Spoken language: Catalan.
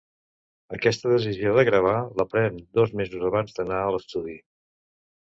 Aquesta decisió de gravar, la pren dos mesos abans d'anar a l'estudi.